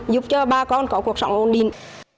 giúp cho ba con có cuộc sống ổn định